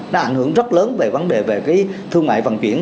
nó ảnh hưởng rất lớn về vấn đề về cái thương mại vận chuyển